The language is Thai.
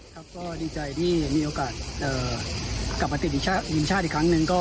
ครับก็ดีใจที่มีโอกาสกลับมาติดทีมชาติอีกครั้งหนึ่ง